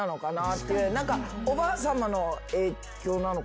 何かおばあさまの影響なのかな。